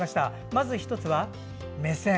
まず１つは目線。